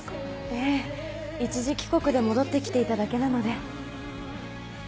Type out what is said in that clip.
ええ一時帰国で戻って来ていただけなので。